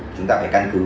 chúng ta phải căn cứ